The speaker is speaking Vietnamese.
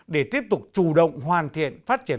để tiếp tục chủ động hoàn thiện phát triển